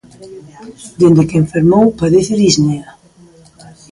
Dende que enfermou padece disnea